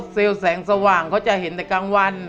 แสงสว่างเขาจะเห็นแต่กลางวัน